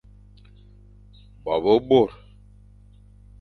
Bo be bôr, des hommes petits, ou peu.